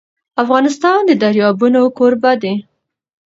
افغانستان د دریابونه کوربه دی.